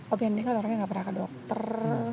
obyeknya orangnya kan nggak pernah ke dokter